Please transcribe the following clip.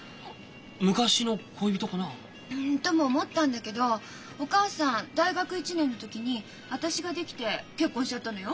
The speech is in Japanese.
昔の恋人かな？とも思ったんだけどお母さん大学１年の時に私が出来て結婚しちゃったのよ。